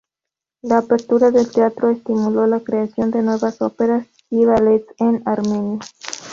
La apertura del teatro estimuló la creación de nuevas óperas y ballets en Armenia.